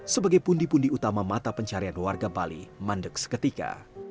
sebagai pundi pundi utama mata pencarian warga bali mandek seketika